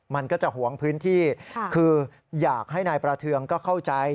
มันก็จะหวงพื้นที่คืออยากให้นายประเทืองก็เข้าใจ